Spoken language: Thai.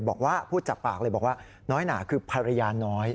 บอกว่าพูดจากปากเลยบอกว่าน้อยหนาคือภรรยาน้อย